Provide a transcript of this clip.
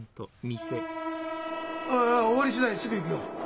ああ終わり次第すぐ行くよ。